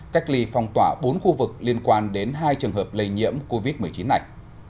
cách ly phong tỏa bốn khu vực liên quan đến hai trường hợp lây nhiễm covid một mươi chín này